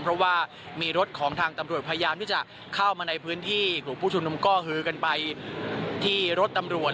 เพราะว่ามีรถของทางตำรวจพยายามที่จะเข้ามาในพื้นที่กลุ่มผู้ชุมนุมก็ฮือกันไปที่รถตำรวจ